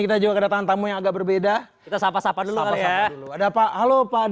kita juga kedatangan tamu yang agak berbeda kita sapa sapa dulu ada pak halo pak